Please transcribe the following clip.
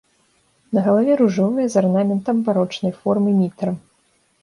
На галаве ружовая з арнаментам барочнай формы мітра.